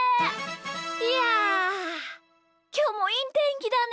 いやきょうもいいてんきだね。